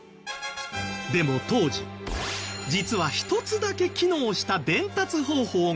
でも当時実は１つだけ機能した伝達方法があったんです。